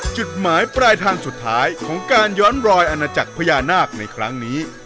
จุดหมายปลายทางสุดท้ายของการย้อนรอยอาณาจักรพญานาคในครั้งนี้